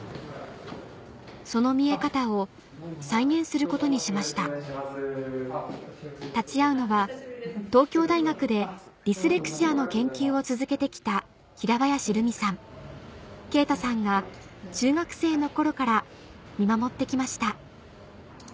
その見え方を再現することにしました立ち会うのは東京大学でディスレクシアの研究を続けて来た勁太さんが中学生の頃から見守って来ました